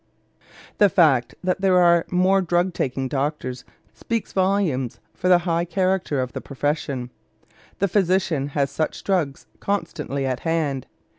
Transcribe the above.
The fact that there are not more drug taking doctors speaks volumes for the high character of the profession. The physician has such drugs constantly at hand.